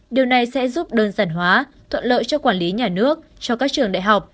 điều này sẽ giúp đơn giản hóa thuận lợi cho quản lý nhà nước cho các trường đại học